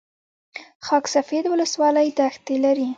خاک سفید ولسوالۍ دښتې لري؟